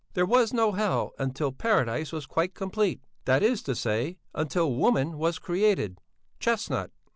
There was no hell until Paradise was quite complete, that is to say until woman was created (chestnut!).